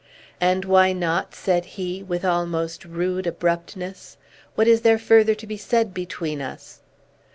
"And why not?" said he, with almost rude abruptness. "What is there further to be said between us?"